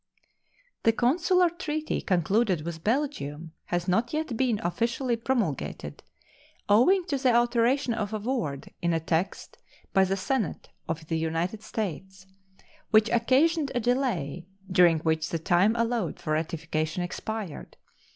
The consular treaty concluded with Belgium has not yet been officially promulgated, owing to the alteration of a word in the text by the Senate of the United States, which occasioned a delay, during which the time allowed for ratification expired.